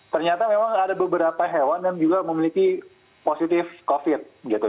ternyata memang ada beberapa hewan yang juga memiliki positif covid gitu